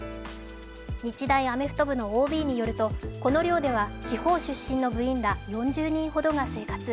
日大アメフト部のＯＢによると、この寮では地方出身の部員ら４０人ほどが生活。